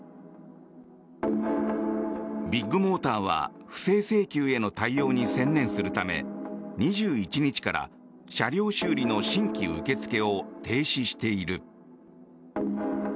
ビッグモーターは不正請求への対応に専念するため２１日から車両修理の新規受け付けを停止している。